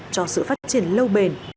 cho sự phát triển lâu bền